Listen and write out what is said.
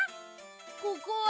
ここは？